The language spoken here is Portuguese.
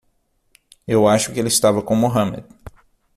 Eu acho que ele estava com Mohamed.